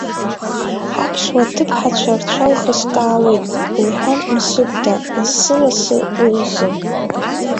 Ҳаԥсуа ҭыԥҳацәа рцәа лхыскаауеит, — лҳәон Мсыгәда лассы-лассы уи лзы.